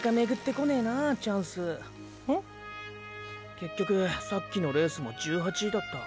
結局さっきのレースも１８位だった。